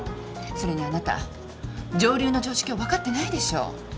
それにあなた上流の常識を分かってないでしょ。